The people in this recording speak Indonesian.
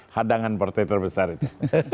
hadangan partai terbesar itu